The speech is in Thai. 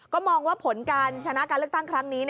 ก็มองว่าผลการชนะการเลือกตั้งครั้งนี้